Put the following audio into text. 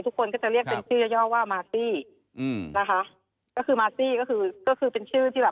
ทุกคนก็จะเรียกเป็นชื่อย่อว่ามาร์ตี้อืมนะคะก็คือมาร์ตี้ก็คือก็คือเป็นชื่อที่แบบ